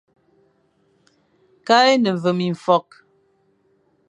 Kale à ne ve mimfokh,